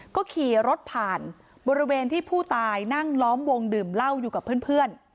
ก็ขี่รถผ่านบริเวณที่ผู้ตายนั่งล้อมวงดื่มเหล้าอยู่กับเพื่อน